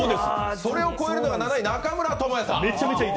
それを超えるのが７位、中村倫也さん。